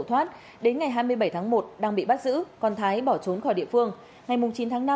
thoát đến ngày hai mươi bảy tháng một đang bị bắt giữ còn thái bỏ trốn khỏi địa phương ngày chín tháng năm